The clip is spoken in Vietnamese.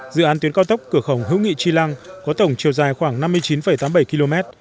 dự án tuyến cao tốc cửa khẩu hữu nghị tri lăng có tổng chiều dài khoảng năm mươi chín tám mươi bảy km